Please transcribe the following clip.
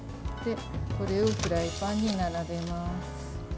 これをフライパンに並べます。